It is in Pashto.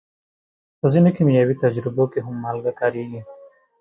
په ځینو کیمیاوي تجربو کې هم مالګه کارېږي.